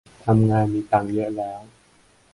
ทำงานมีตังค์เยอะแล้ว